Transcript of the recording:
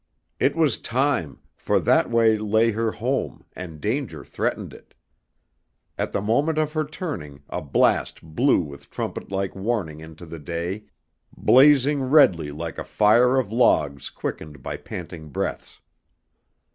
It was time, for that way lay her home and danger threatened it. At the moment of her turning a blast blew with trumpet like warning into the day, blazing redly like a fire of logs quickened by panting breaths.